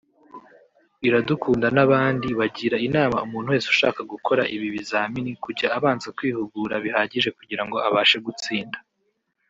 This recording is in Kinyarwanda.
Iradukunda n’abandi bagira inama umuntu wese ushaka gukora ibi bizamini kujya abanza kwihugura bihagije kugirango abashe gutsinda